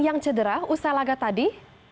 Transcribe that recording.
yang cedera usai laga tadi